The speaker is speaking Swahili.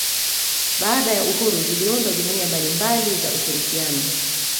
Baada ya uhuru ziliundwa jaumuiya mbalimbali za ushirikiano